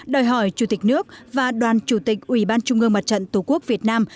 đòi hỏi chủ tịch nước và đoàn chủ tịch ủy ban trung ương mặt trận tổ quốc việt nam